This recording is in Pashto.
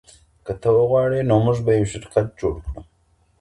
که ته وغواړي نو موږ به یو شرکت جوړ کړو.